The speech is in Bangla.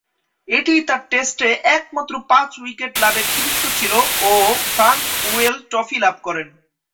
এটিই তার টেস্টে একমাত্র পাঁচ-উইকেট লাভের কৃতিত্ব ছিল ও ফ্রাঙ্ক ওরেল ট্রফি লাভ করেন।